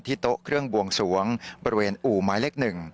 โต๊ะเครื่องบวงสวงบริเวณอู่หมายเลข๑